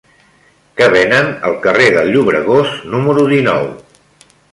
Què venen al carrer del Llobregós número dinou?